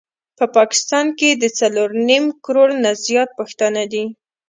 په پاکستان کي د څلور نيم کروړ نه زيات پښتانه دي